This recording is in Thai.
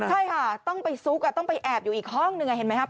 ใช่ค่ะต้องไปซุกต้องไปแอบอยู่อีกห้องหนึ่งเห็นไหมครับ